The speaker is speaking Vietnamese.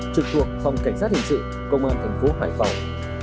trực thuộc phòng cảnh sát hình sự công an tp hải phòng